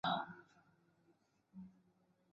আমি সরকারি লোক, সব জানি আমি।